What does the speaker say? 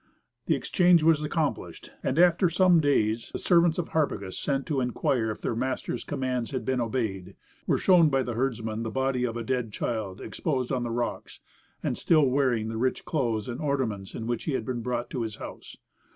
The exchange was accomplished, and after some days the servants of Harpagus, sent to inquire if their master's commands had been obeyed, were shown by the herdsman the body of a dead child exposed on the rocks and still wearing the rich clothes and ornaments in which it had been brought to his house.